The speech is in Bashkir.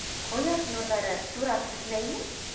Ҡояш нурҙары тура төшмәйме?